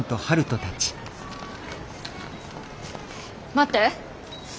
待って。